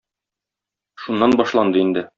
Шуннан башланды инде.